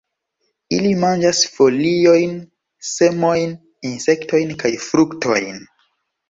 Ili manĝas foliojn, semojn, insektojn kaj fruktojn.